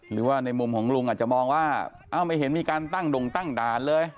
หรือว่าในมุมของลุงอาจจะมองว่าอ้าวไม่เห็นมีการตั้งดงตั้งด่านเลย